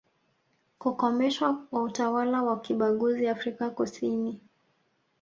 kukomeshwa kwa utawala wa kibaguzi Afrika kusini